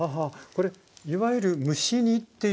これいわゆる蒸し煮っていう。